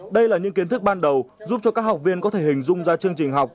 đây là những kiến thức ban đầu giúp cho các học viên có thể hình dung ra chương trình học